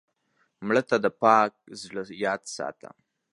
مړه ته د پاک زړه یاد ساته